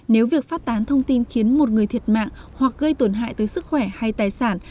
nếu việc phát tán thông tin khiến một người thiệt mạng hoặc gây tổn hại tới sức khỏe hay tài sản